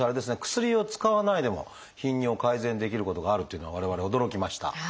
薬を使わないでも頻尿を改善できることがあるというのは我々驚きました。